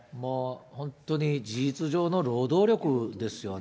本当に事実上の労働力ですよね。